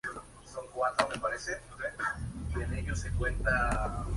Posteriormente se los unió a la Fuerza Armada, recibiendo entrenamiento tanto policial como militar.